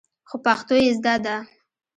خو پښتو يې زده ده.